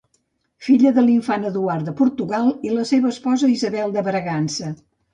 Filla de l'infant Eduard de Portugal i la seva esposa Isabel de Bragança.